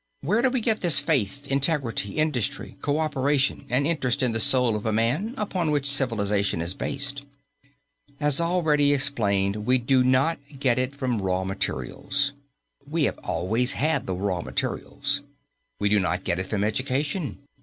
Where do we get this faith, integrity, industry, coöperation and interest in the soul of man upon which civilization is based? As already explained, we do not get it from the raw materials. We have always had the raw materials. We do not get it from education.